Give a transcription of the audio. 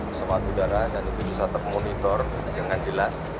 pesawat udara dan itu bisa termonitor dengan jelas